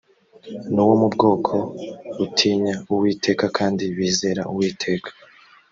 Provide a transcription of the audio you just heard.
nuwo mu bwoko butinya uwiteka kandi bizera uwiteka